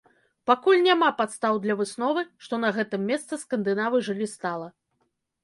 Пакуль няма падстаў для высновы, што на гэтым месцы скандынавы жылі стала.